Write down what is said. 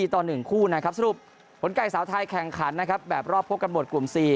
ต่อ๑คู่นะครับสรุปผลไก่สาวไทยแข่งขันนะครับแบบรอบพบกันหมดกลุ่ม๔